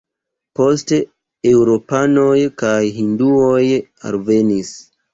Poste eŭropanoj kaj hinduoj alvenis.